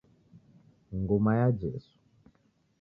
Nguma ya Jesu.